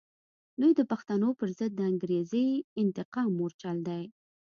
دوی د پښتنو پر ضد د انګریزي انتقام مورچل دی.